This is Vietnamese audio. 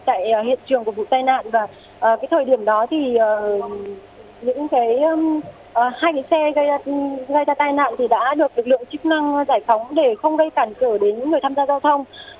tại hiện trường của vụ tai nạn và cái thời điểm đó thì những cái xe gây ra tai nạn thì đã được lực lượng chức năng giải phóng để không gây cản trở đến những người tham gia giao thông